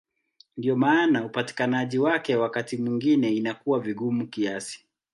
Ndiyo maana upatikanaji wake wakati mwingine inakuwa vigumu kiasi.